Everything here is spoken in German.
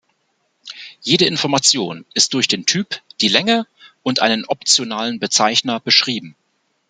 Jede Information ist durch den Typ, die Länge und einen optionalen Bezeichner beschrieben.